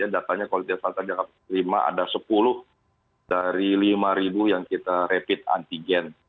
datanya kalau di jakarta ada lima ada sepuluh dari lima yang kita rapid anti gen